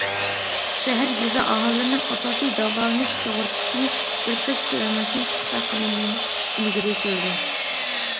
شەھەر- يېزا ئاھالىلىرىنىڭ ئاساسىي داۋالىنىش سۇغۇرتىسىنى بىر تۇتاش پىلانلاشنى پۇختا قەدەم بىلەن ئىلگىرى سۈرىدۇ.